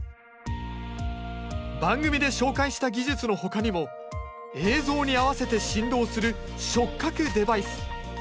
番組で紹介した技術の他にも映像に合わせて振動する触覚デバイス